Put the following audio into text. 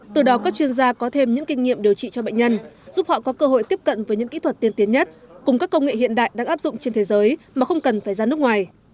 từ đó các chuyên gia có thêm những kinh nghiệm điều trị cho bệnh nhân giúp họ có cơ hội tiếp cận với những kỹ thuật tiên tiến nhất cùng các công nghệ hiện đại đang áp dụng trên thế giới mà không cần phải ra nước ngoài